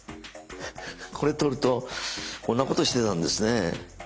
これ取るとこんなことしてたんですね。